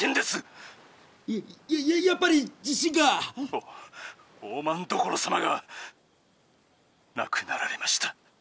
「お大政所様が亡くなられました」。